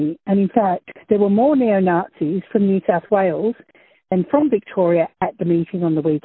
dan sebenarnya ada lebih banyak neonazi dari new south wales dan dari victoria di mesyuarat pada hujung minggu ini